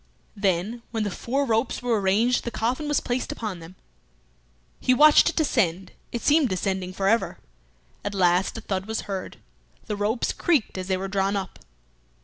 Then when the four ropes were arranged the coffin was placed upon them. He watched it descend; it seemed descending for ever. At last a thud was heard; the ropes creaked as they were drawn up.